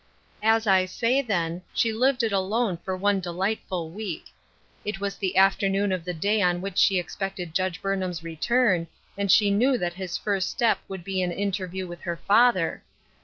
As I say, then, she lived it alone for one de lightful week. It was the afternoon of the day on which she expected Judge Burnham's return, and she knew that his first step would be an in terview with her father.